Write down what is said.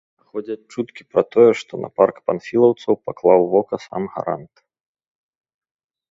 Ходзяць чуткі пра тое, што на парк панфілаўцаў паклаў вока сам гарант.